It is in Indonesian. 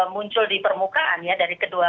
muncul di permukaan ya dari kedua